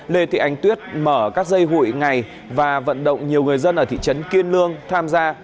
lê thị ánh tuyết mở các dây hụi ngày và vận động nhiều người dân ở thị trấn kiên lương tham gia